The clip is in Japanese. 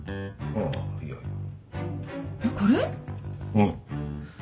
うん。